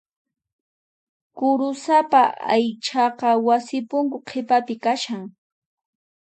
Kurusapa aychaqa wasi punku qhipapi kashan.